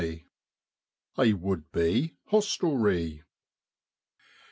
_ A WOULD BE HOSTELRY.